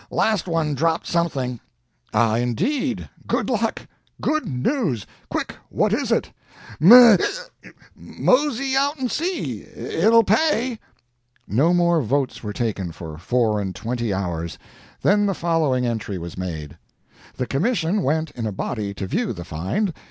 Las' one dropped something." "Ah, indeed! Good luck! Good news! Quick what is it?" "M['ic!) Mosey out 'n' see. It'll pay." No more votes were taken for four and twenty hours. Then the following entry was made: "The commission went in a body to view the find.